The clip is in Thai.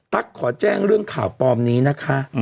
ขอแจ้งเรื่องข่าวปลอมนี้นะคะ